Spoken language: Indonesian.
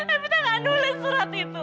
evita enggak nulis surat itu